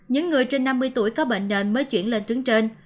những người trên năm mươi tuổi có bệnh nền mới chuyển lên tuyến trên